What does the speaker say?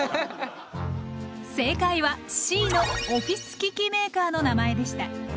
正解はＣの「オフィス機器メーカーの名前」でした。